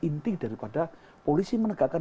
inti daripada polisi menegakkan